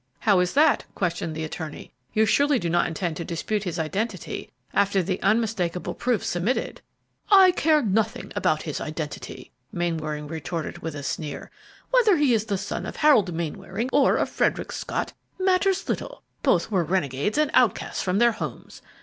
"How is that?" questioned the attorney. "You surely do not intend to dispute his identity after the unmistakable proofs submitted?" "I care nothing about his identity," Mainwaring retorted, with a sneer. "Whether he is the son of Harold Mainwaring or of Frederick Scott, matters little; both were renegades and outcasts from their homes.